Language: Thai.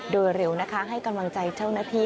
โดยเร็วนะคะให้กำลังใจเจ้าหน้าที่